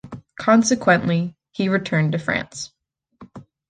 Consequently, he returned to France.